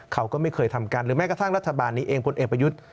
เขาก็ไม่เคยทำกันหรือแม้กระทั่งรัฐบาลนี้เองพลเอกประยุทธ์